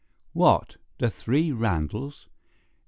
"What, the three Randalls?"